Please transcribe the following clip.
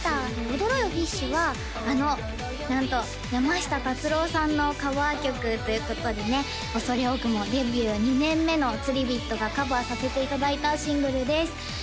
「踊ろよ、フィッシュ」はあのなんと山下達郎さんのカバー曲ということでね恐れ多くもデビュー２年目のつりビットがカバーさせていただいたシングルです